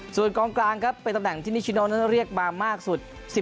ส่วนกองกลางครับเป็นตำแหน่งที่นิชิโนนั้นเรียกมามากสุด